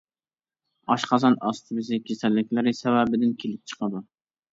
ئاشقازان ئاستى بېزى كېسەللىكلىرى سەۋەبىدىن كېلىپ چىقىدۇ.